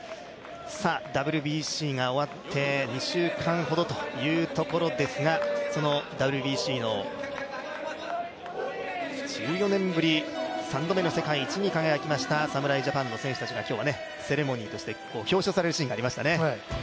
ＷＢＣが終わって２週間ほどというところですが、そのＷＢＣの１４年ぶり３度目の世界一に輝きました侍ジャパンの選手たちが今日は、セレモニーとして表彰されるシーンがありましたね。